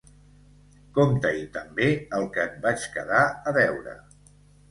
Compta-hi també el que et vaig quedar a deure.